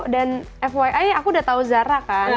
dan fyi aku udah tau zara kan